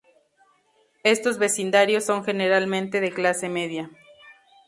Estos vecindarios son generalmente de clase media.